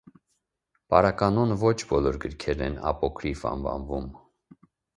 Պարականոն ոչ բոլոր գրքերն են ապոկրիֆ անվանվում։